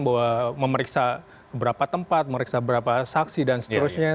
bahwa memeriksa beberapa tempat memeriksa beberapa saksi dan seterusnya